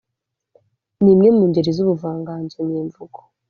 ni imwe mu ngeri z’ubuvanganzo nyemvugo